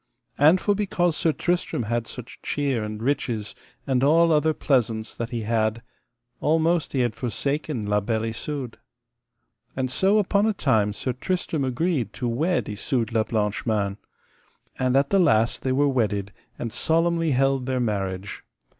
And for because Sir Tristram had such cheer and riches, and all other pleasaunce that he had, almost he had forsaken La Beale Isoud. And so upon a time Sir Tristram agreed to wed Isoud la Blanche Mains. And at the last they were wedded, and solemnly held their marriage.